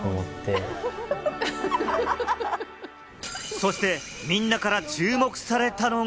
そして、みんなから注目されたのが。